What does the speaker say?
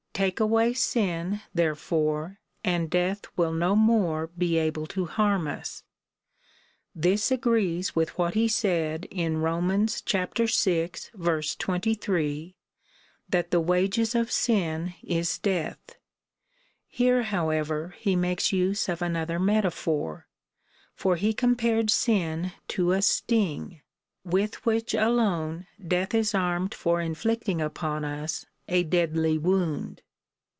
Take away sin, therefore, and death will no more be able to harm us.'' This agrees with what he said in Rom. vi. 23, that the wages of sin is death. Here, how ever, lie makes use of another metaphor, for he compared sin to a sti7ig, with which alone death is armed for inflicting upon us a deadly wound.